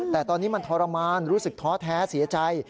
แต่ตอนนี้มันทรมานรู้สึกท้อแท้เสียใจ